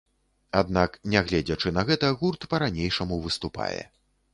Аднак нягледзячы на гэта гурт па-ранейшаму выступае.